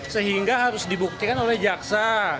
sehingga harus dibuktikan oleh jaksa